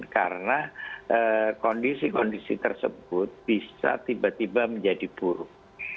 karena kondisi kondisi tersebut bisa tiba tiba menjadi buruk